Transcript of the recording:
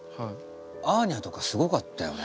アーニャとかすごかったよね。